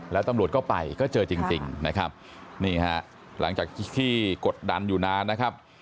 แล้วตำรวจก็ไปก็เจอจริงนะครับนี่ฮะหลังจากที่กดดันอยู่นานนะครับ